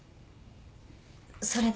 それで。